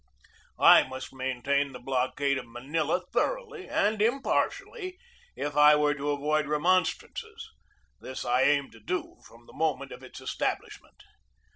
I must maintain the block ade of Manila thoroughly and impartially if I were to avoid remonstrances. This I aimed to do from the moment of its establishment.